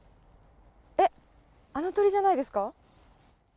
えっ、あの鳥じゃないですか。